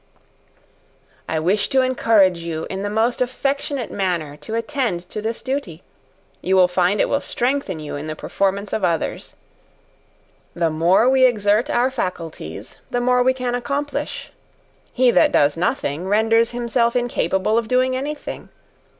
I wish to encourage you in the most affectionate manner to attend to this duty; you will find it will strengthen you in the performance of others. "The more we exert our faculties, the more we can accomplish. He that does nothing, renders himself incapable of doing any thing.